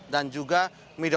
dan juga midodot